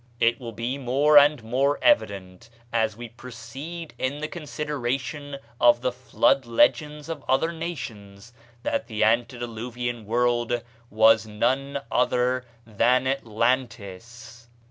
It will be more and more evident, as we proceed in the consideration of the Flood legends of other nations, that the Antediluvian World was none other than Atlantis.